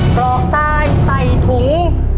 กรอกทรายใส่ถุง